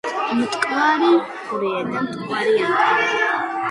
მტკვარი მღვრიე და მტკვარი ანკარა...